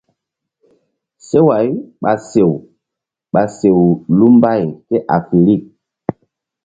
Seway ɓa sew ɓa sew lu mbay kéafirik.